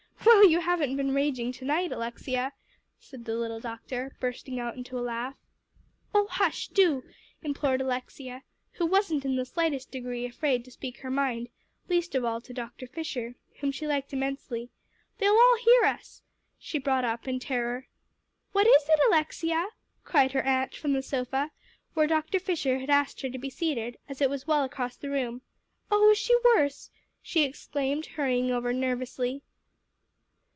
"Well, you haven't been raging to night, Alexia," said the little doctor, bursting out into a laugh. "Oh, hush, do," implored Alexia, who wasn't in the slightest degree afraid to speak her mind, least of all to Dr. Fisher, whom she liked immensely; "they'll all hear us," she brought up in terror. "What is it, Alexia?" cried her aunt from the sofa, where Dr. Fisher had asked her to be seated, as it was well across the room. "Oh, is she worse?" she exclaimed, hurrying over nervously.